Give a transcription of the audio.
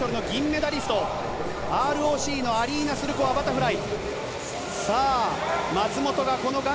ＲＯＣのアリーナはバタフライ。